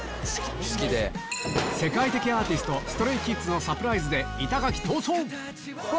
世界的アーティストＳｔｒａｙＫｉｄｓのサプライズで板垣逃走！